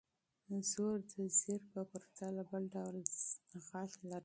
زور د زېر په پرتله بل ډول غږ لري.